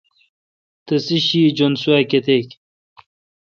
تسےشی جّن سوا کیتک۔